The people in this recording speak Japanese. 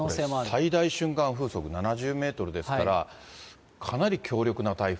最大瞬間風速７０メートルですから、かなり強力な台風。